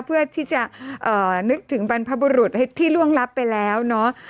เพื่อที่จะนึกถึงบรรพบุรุษที่ล่วงลับไปแล้วเนาะ